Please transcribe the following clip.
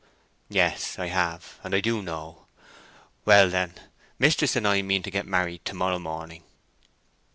"Yes, I have, and I do know. Well, then, mistress and I mean to get married to morrow morning."